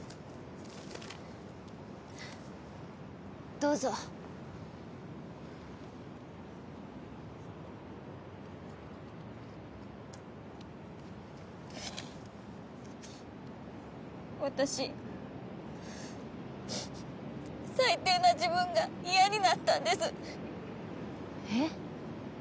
どうぞ私最低な自分が嫌になったんですえっ？